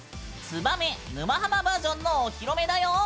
「ツバメ沼ハマバージョン」のお披露目だよ。